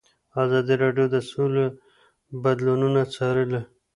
ازادي راډیو د سوله بدلونونه څارلي.